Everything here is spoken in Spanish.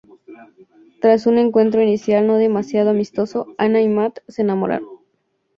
Tras un encuentro inicial no demasiado amistoso, Anna y Mat se enamoran.